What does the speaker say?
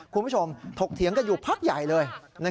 คุณผู้ชมถกเถียงกันอยู่พักใหญ่เลย